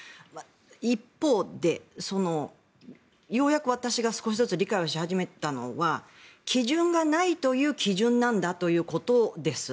一方で、ようやく私が少しずつ理解をし始めたのは基準がないという基準なんだということです。